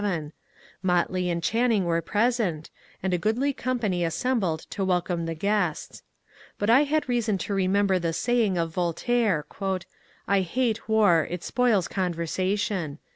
Motley and Chan ning were present, and a goodly company assembled to wel come the guests. But I had reason to remember the saying of Voltaire, " I hate War ; it spoils conversation."